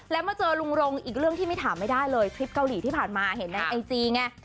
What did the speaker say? แล้วมาเจอลุงรงอีกเรื่องที่ไม่ถามไม่ได้เลยทริปเกาหลีที่ผ่านมาเห็นในไอจีไง